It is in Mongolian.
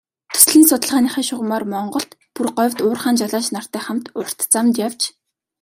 Төслийн судалгааныхаа шугамаар Монголд, бүр говьд уурхайн жолооч нартай хамт урт замд явж ажилласан.